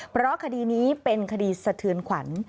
เพราะคดีนี้เป็นคดีสะเทือนขวัญ